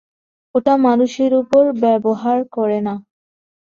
ওটা মানুষের ওপর ব্যবহার করে না।